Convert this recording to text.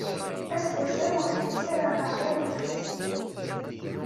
Aseggas-a ur tekkis ara aɛlaw i yelli-s.